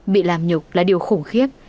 bị làm nhục là điều khủng khiếp